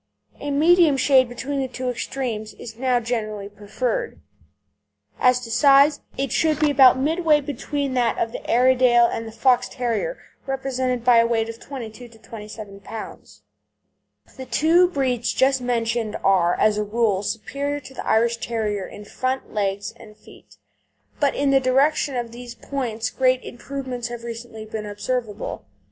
A medium shade between the two extremes is now generally preferred. As to size, it should be about midway between that of the Airedale and the Fox terrier, represented by a weight of from 22 to 27 lb. The two breeds just mentioned are, as a rule, superior to the Irish Terrier in front legs, and feet, but in the direction of these points great improvements have recently been observable.